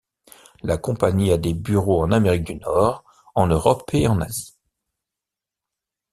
La compagnie a des bureaux en Amérique du Nord, en Europe et en Asie.